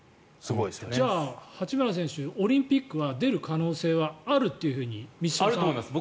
じゃあ八村選手オリンピックは出る可能性はあると満島さんは思ってますか。